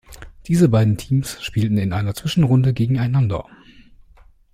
Diese beiden Teams spielten in einer Zwischenrunde gegeneinander.